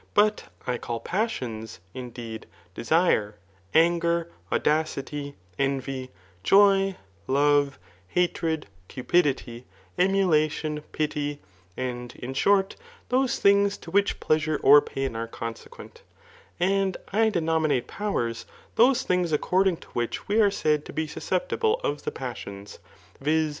But I call passions, indeed, desire,' anger, a^dacitj, ^nvy, joy, love, hatred, cupidity, emulation, fj^, .and, in shorty those things to which pleasure or p^ are consequent. And I denominate powers, those th^igs according to which we are said to be susceptible pf ibp passions; viz.